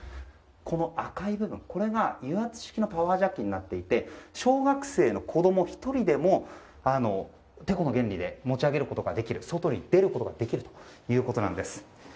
この赤い部分が油圧式のパワージャッキになっていて小学生の子供１人でもてこの原理で持ち上げることができる外に出ることができるということなんです。